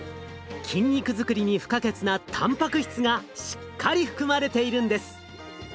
筋肉作りに不可欠なたんぱく質がしっかり含まれているんです。